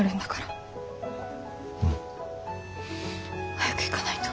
早く行かないと。